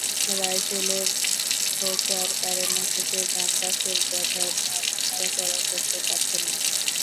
রাইফেলের খোঁচার কারণে বুকের ডান পাশের ব্যথায় নড়াচড়া করতে পারছেন না।